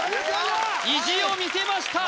意地を見せました